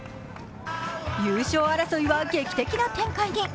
優勝争いは劇的な展開に。